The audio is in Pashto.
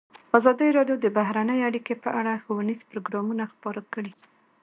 ازادي راډیو د بهرنۍ اړیکې په اړه ښوونیز پروګرامونه خپاره کړي.